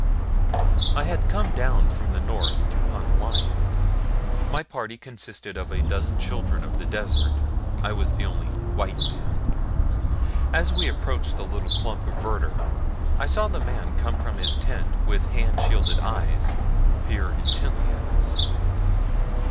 I had come down from the north to hunt lion. My party consisted of a dozen children of the desert I was the only "white" man. As we approached the little clump of verdure I saw the man come from his tent and with hand shaded eyes peer intently at us.